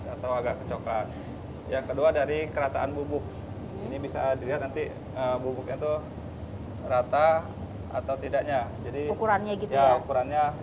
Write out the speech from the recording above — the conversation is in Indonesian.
atau bar worms dari bumbuk ini bisa dilihat nanti bubuk itu rata atau tidaknya jadi ukurannya dalam ukurannya di oportunan